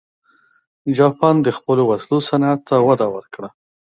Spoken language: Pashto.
جاپان د خپلو وسلو صنعت ته وده ورکړه.